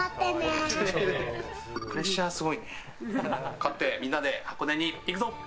勝手みんなで箱根に行くぞ！